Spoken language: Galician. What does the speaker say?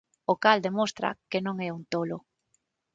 O cal demostra que non é un tolo.